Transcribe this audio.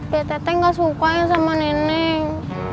teh teh teh gak sukanya sama neneng